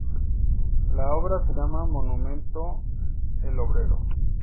La obra se llama: Monumento el Obrero.